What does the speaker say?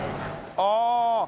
ああ。